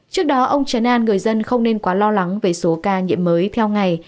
trước đó ông chấn an người dân không nên quá lo lắng về số ca nhiễm mới theo ngày